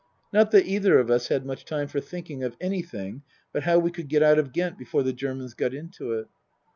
Not that either of us had much time for thinking of anything but how we could get out of Ghent before the Germans got into it.